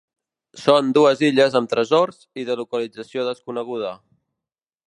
Són dues illes amb tresors i de localització desconeguda.